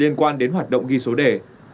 liên quan đến hoạt động ghi số đề